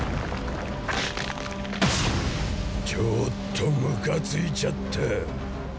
ちょっとムカついちゃった。